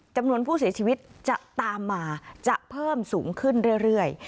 จำนวนผู้เสียชีวิตจะตามมาจะเพิ่มสูงขึ้นเรื่อย